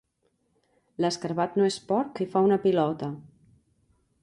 L'escarabat no és porc i fa una pilota.